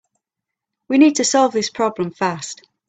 We need to solve this problem fast.